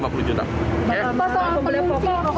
bapak soal pembelian rokok enggak sih pak